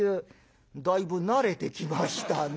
「だいぶ慣れてきましたね。